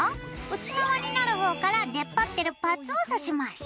内側になる方から出っ張ってるパーツをさします。